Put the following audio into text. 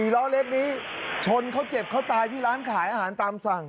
ล้อเล็กนี้ชนเขาเจ็บเขาตายที่ร้านขายอาหารตามสั่ง